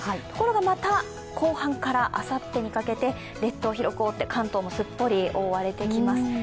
ところが、また後半からあさってにかけて列島を広く覆って関東もすっぽり覆われてきます。